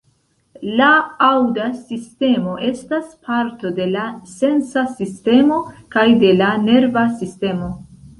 La aŭda sistemo estas parto de la sensa sistemo kaj de la nerva sistemo.